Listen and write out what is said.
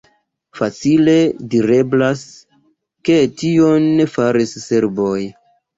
Facile direblas, ke tion faris serboj.